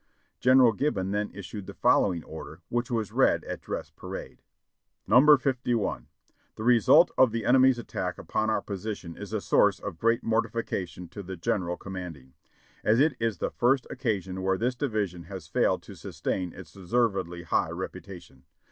General Gibbon then issued the following order, which was read at dress parade : THE CAPITAL IN THE DOG DAYS 593 "No. 51. "The result of the enemy's attack upon our position is a source of great mortification to the General Commanding, as it is the first occasion where this division has failed to sustain its de servedly high reputation.